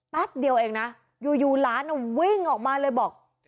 แป๊บเดียวเองนะอยู่หลานวิ่งออกมาเลยบอก